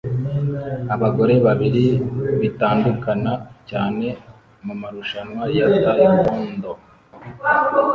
Abagore babiri bitandukana cyane mumarushanwa ya Tae Kwon Do